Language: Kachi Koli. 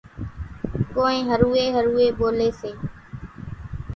ڪونئين هروين هروين ٻوليَ سي۔